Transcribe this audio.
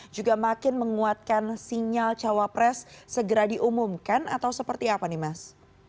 juga makin menguatkan sinyal cawapres segera diumumkan atau seperti apa nih mas